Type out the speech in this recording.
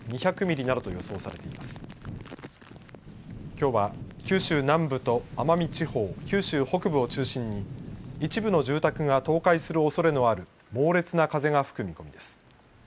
きょうは九州南部と奄美地方、九州北部を中心に一部の住宅が倒壊するおそれのある猛烈な風が吹く見込みです。